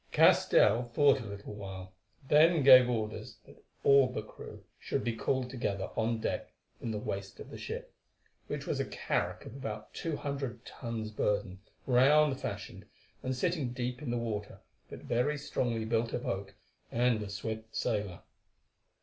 Castell thought a little while, then gave orders that all the crew should be called together on deck in the waist of the ship, which was a carack of about two hundred tons burden, round fashioned, and sitting deep in the water, but very strongly built of oak, and a swift sailer.